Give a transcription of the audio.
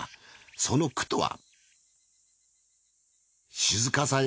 その句とは。